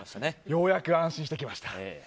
ようやく安心してきました。